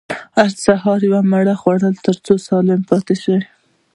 هر سهار يوه مڼه وخورئ، تر څو سالم پاته سئ.